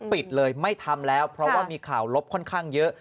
ปิดเลยไม่ทำแล้วเพราะว่ามีข่าวลบค่อนข้างเยอะ